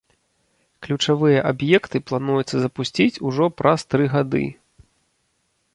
Ключавыя аб'екты плануецца запусціць ужо праз тры гады.